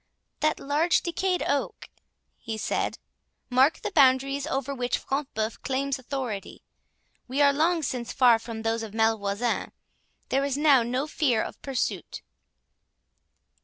"That large decayed oak," he said, "marks the boundaries over which Front de Bœuf claims authority—we are long since far from those of Malvoisin. There is now no fear of pursuit."